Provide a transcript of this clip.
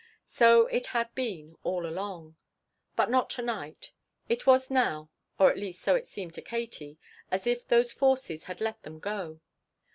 So it had been all along. But not tonight. It was now or at least so it seemed to Katie as if those forces had let them go.